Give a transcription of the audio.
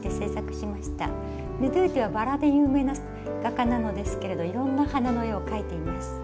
ルドゥーテはばらで有名な画家なのですけれどいろんな花の絵を描いています。